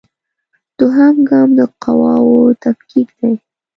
دوهم ګام د قواوو تفکیک دی.